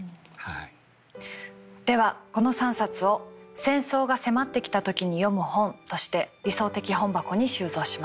ではこの３冊を「戦争が迫ってきた時に読む本」として理想的本箱に収蔵します。